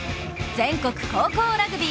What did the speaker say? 全国高校ラグビー。